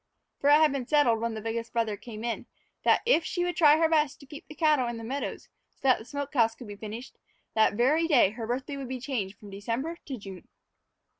For it had been settled, when the biggest brother came in, that if she would try her best to keep the cattle in the meadows so that the smoke house could be finished, that very day her birthday would be changed from December to June.